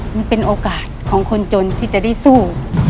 มันเป็นโอกาสของคนจนที่จะได้สู้